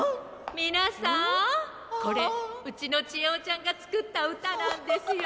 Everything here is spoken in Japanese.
みなさんこれうちのちえおちゃんがつくったうたなんですよ。